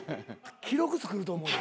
記録作ると思う。